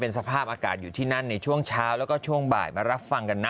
สภาพอากาศอยู่ที่นั่นในช่วงเช้าแล้วก็ช่วงบ่ายมารับฟังกันนะ